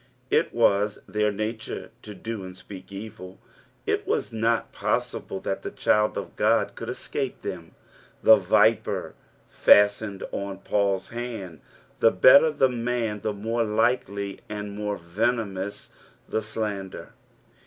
It was their nature to do and ^peak evil ; it was not possible that the child of God could escape them. The viper fa.stened on Paul's hand : the better the man the more likely, and the more venomous the slander.